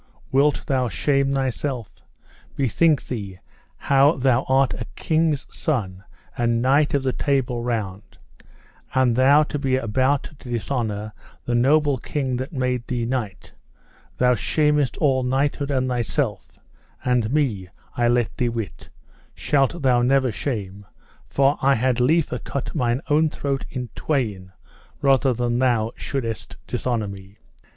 Wilt thou shame thyself? Bethink thee how thou art a king's son, and knight of the Table Round, and thou to be about to dishonour the noble king that made thee knight; thou shamest all knighthood and thyself, and me, I let thee wit, shalt thou never shame, for I had liefer cut mine own throat in twain rather than thou shouldest dishonour me.